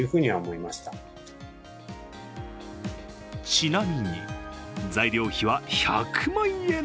ちなみに、材料費は１００万円！